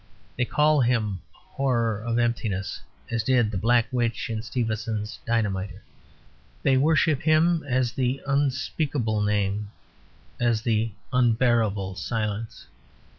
They call him "horror of emptiness," as did the black witch in Stevenson's Dynamiter; they worship him as the unspeakable name; as the unbearable silence.